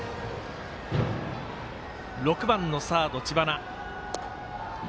６番のサード、知花。